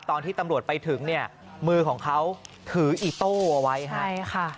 ตอนที่ตำรวจไปถึงเนี่ยมือของเขาถืออีโต้เอาไว้ฮะใช่ค่ะ